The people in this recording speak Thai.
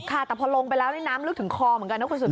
ค่ะแต่พอลงไปแล้วนี่น้ำลึกถึงคอเหมือนกันนะคุณสุด